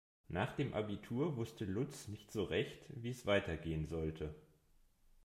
Nach dem Abitur wusste Lutz nicht so recht, wie es weitergehen sollte.